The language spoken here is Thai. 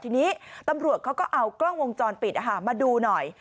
ทีนี้ตำรวจเขาก็เอากล้องวงจรปิดมาดูหน่อย